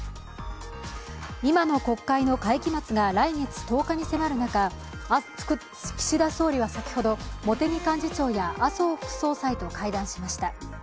今の国会の会期末が来月１０日に迫る中岸田総理は先ほど、茂木幹事長や麻生副総裁と会談しました。